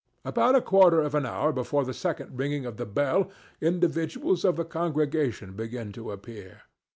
About a quarter of an hour before the second ringing of the bell individuals of the congregation begin to appear.